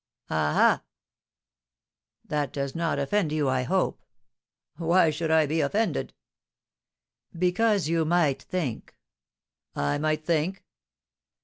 "Ah, ah!" "That does not offend you, I hope?" "Why should I be offended?" "Because you might think " "I might think